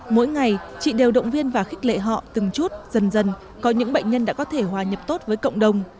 mỗi ngày chị đều động viên và khích lệ họ từng chút dần dần có những bệnh nhân đã có thể hòa nhập tốt với cộng đồng